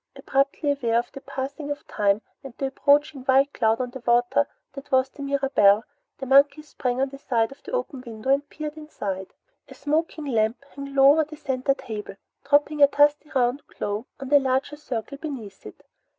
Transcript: Abruptly aware of the passing of time and the approaching white cloud on the water that was the Mirabelle, the monkey sprang to the side of the open window and peered inside. A smoking lamp hung low over a center table, dropping a dusky round glow on the larger circle beneath it.